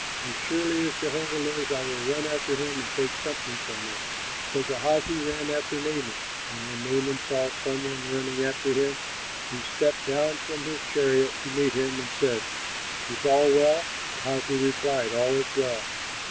As surely as Jehovah lives, I will run after him and take something from him." So Gehazi ran after Naaman; and when Naaman saw some one running after him, he stepped down from the chariot to meet him and said, "Is all well?" Gehazi replied, "All is well.